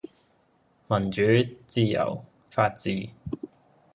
民主、自由、法治